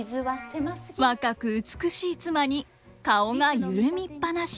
若く美しい妻に顔が緩みっぱなし。